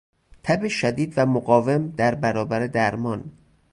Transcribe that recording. تب شدید و مقاوم در برابر درمان